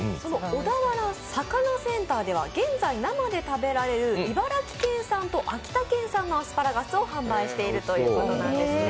小田原さかなセンターでは現在、生で食べられる茨城県産と秋田県産のアスパラガスを販売しているということなんです。